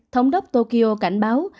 thống đốc tokyo cảnh báo